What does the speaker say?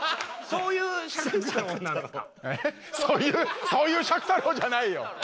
そういうそういう尺太郎じゃないよ！